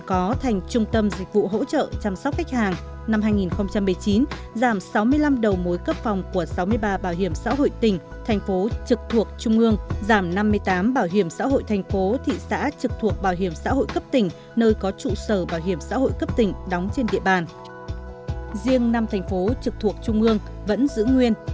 riêng năm thành phố trực thuộc trung ương vẫn giữ nguyên